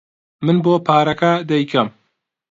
من بۆ پارەکە دەیکەم.